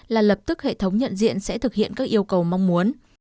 là lập tức hệ thống nhận diện sẽ thực hiện các yêu cầu mong muốn